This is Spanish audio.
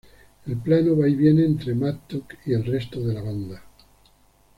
El plano va y viene entre Matt Tuck y el resto de la banda.